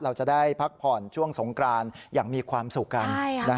เราจะได้พักผ่อนช่วงสงกรานอย่างมีความสุขกัน